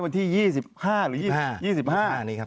วันที่๒๕หรือ๒๕